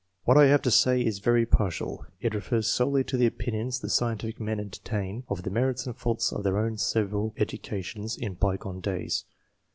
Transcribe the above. What I have to say is very partial ; it refers solely to the opinions the scientific men entertain of the merits and faults of their own several educa tions in bygone days.